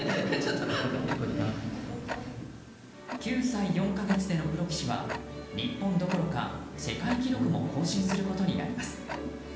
９歳４か月でのプロ棋士は日本どころか世界記録も更新することになります。